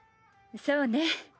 そうね。